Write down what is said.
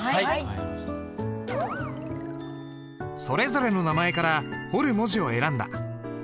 それぞれの名前から彫る文字を選んだ。